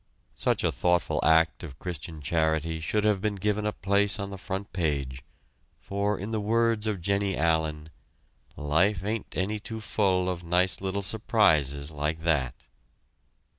Such a thoughtful act of Christian charity should have been given a place on the front page, for in the words of Jennie Allen: "Life ain't any too full of nice little surprises like that."